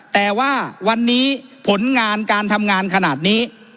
แต่ว่าวันนี้ผลงานการทำงานขนาดนี้